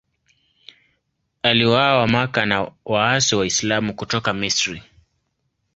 Aliuawa Makka na waasi Waislamu kutoka Misri.